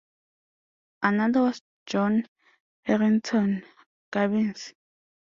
Another was John Harington Gubbins.